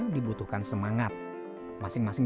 dibutuhkan semangat masing masing